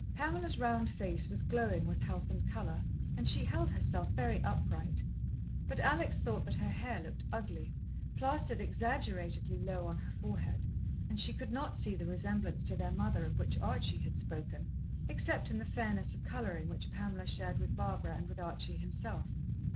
Pamela's round face was glowing with health and colour, and she held herself very upright, but Alex thought that her hair looked ugly, plastered exaggeratedly low on her forehead, and she could not see the resemblance to their mother of which Archie had spoken, except in the fairness of colouring which Pamela shared with Barbara and with Archie himself.